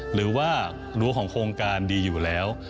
หรือว่ารู้ของโครงการดีอยู่แล้ว